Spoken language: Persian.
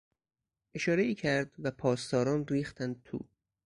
اشارهای کرد و پاسداران ریختند تو.